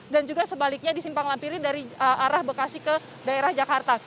dan juga sebaliknya di simpang lampiri dari arah bekasi ke daerah jakarta